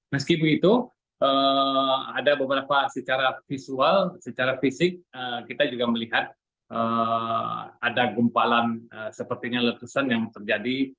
meski begitu ada beberapa secara visual secara fisik kita juga melihat ada gumpalan sepertinya letusan yang terjadi